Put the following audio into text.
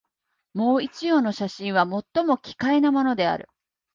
もう一葉の写真は、最も奇怪なものである